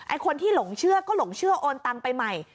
คนที่หลงเชื่อก็หลงเชื่อโอนตังไปใหม่